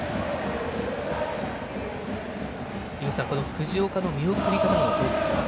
藤岡の見送り方はどうですか。